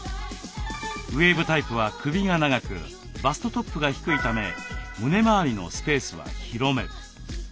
ウエーブタイプは首が長くバストトップが低いため胸回りのスペースは広め。